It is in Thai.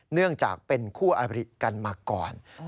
เนื่องจากเป็นคู่อบริกันมาก่อน